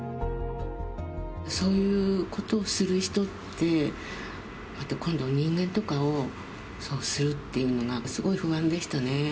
そういうことをする人って、また今度、人間とかをそうするっていうのが、すごい不安でしたね。